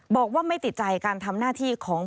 บอกว่าไม่ติดใจการทำหน้าที่ของ